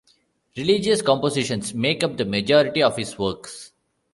Religious compositions make up the majority of his works.